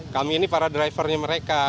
kami ini para drivernya mereka